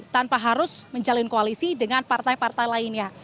tanpa harus menjalin koalisi dengan partai partai lainnya